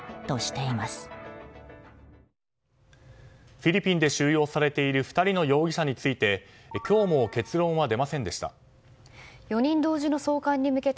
フィリピンで収容されている２人の容疑者について今日も結論は出ませんでした。